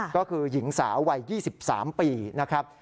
ก็คือหญิงสาววัย๒๓ปีนะครับ